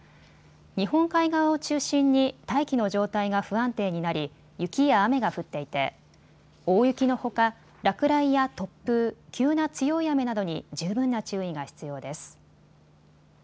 日本海側を中心に大気の状態が不安定になり雪や雨が降っていて大雪のほか、落雷や突風、急な強い雨などに十分な注意が必要です。